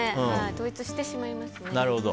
統一してしまいますね。